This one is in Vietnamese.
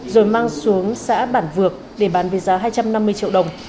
rồi mang xuống xã bản vược để bán với giá hai trăm năm mươi triệu đồng